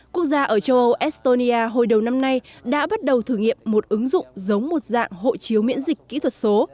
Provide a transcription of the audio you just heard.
quốc gia ở châu âu estonia hồi đầu năm nay đã bắt đầu thử nghiệm một ứng dụng giống một dạng hộ chiếu miễn dịch kỹ thuật số